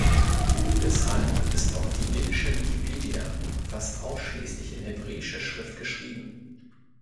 Deshalb ist auch die jiddische Wikipedia fast ausschließlich in hebräischer Schrift geschrieben.